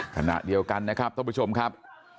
ขณะเดียวกันนะครับท่านผู้ชมครับ